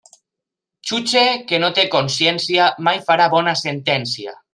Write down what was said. Jutge que no té consciència, mai farà bona sentència.